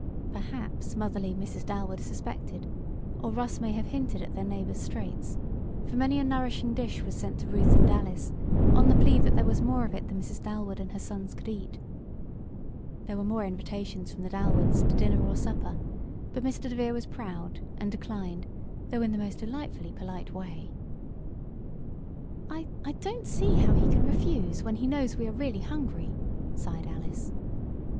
Perhaps motherly Mrs. Dalwood suspected, or Russ may have hinted at their neighbors' straits, for many a nourishing dish was sent to Ruth and Alice, on the plea that there was more of it than Mrs. Dalwood and her sons could eat. There were more invitations from the Dalwoods to dinner or supper, but Mr. DeVere was proud, and declined, though in the most delightfully polite way. "I I don't see how he can refuse, when he knows we are really hungry!" sighed Alice.